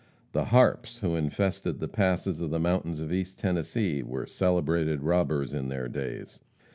The Harps who infested the passes of the mountains of East Tennessee were celebrated robbers in their days.